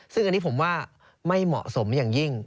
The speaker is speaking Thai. ซึ่งอันนี้ผมว่าไม่เหมาะสมอย่างยิ่ง